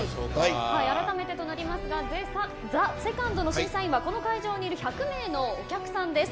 あらためてとなりますがＴＨＥＳＥＣＯＮＤの審査員は今、この会場にいる１００名のお客さんです。